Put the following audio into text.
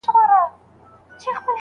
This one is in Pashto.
آیا زلزله تر سېلاب ناڅاپي ده؟